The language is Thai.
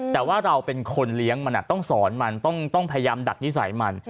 แต่ว่าเราเป็นคนเลี้ยงมันต้องสอนมันต้องพยายามดักนิสัยมัน